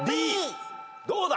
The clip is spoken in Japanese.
どうだ！？